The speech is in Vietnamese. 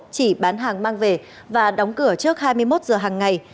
chỉ bán hàng mang về và đóng cửa trước hai mươi một giờ hàng ngày